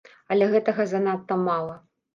Але гэтага занадта мала.